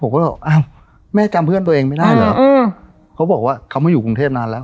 ผมก็เลยบอกอ้าวแม่จำเพื่อนตัวเองไม่ได้เหรออืมเขาบอกว่าเขามาอยู่กรุงเทพนานแล้ว